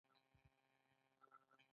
په کلیو کې هم فیوډالیزم د زوال په حال و.